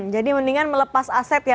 jadi mendingan melepas aset ya